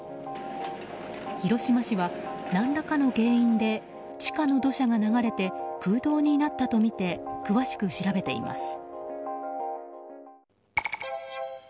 広島市は何らかの原因で地下の土砂が流れて空洞になったとみて詳しく調べています。